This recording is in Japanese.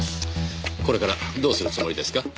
これからどうするつもりですか？